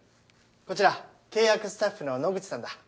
こちら契約スタッフの野口さんだ。